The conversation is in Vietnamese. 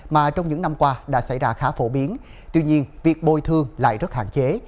mà trong những năm qua đã xảy ra khá phổ biến tuy nhiên việc bồi thương lại rất hạn chế